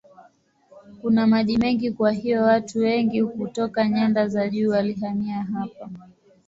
Kuna maji mengi kwa hiyo watu wengi kutoka nyanda za juu walihamia hapa.